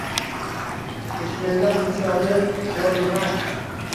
Bismilloh misoli lojuvard